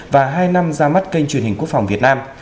và hai năm ra mắt kênh truyền hình quốc phòng việt nam